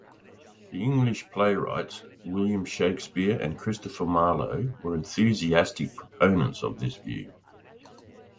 The English playwrights William Shakespeare and Christopher Marlowe were enthusiastic proponents of this view.